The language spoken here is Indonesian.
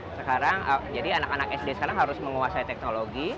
sekarang jadi anak anak sd sekarang harus menguasai teknologi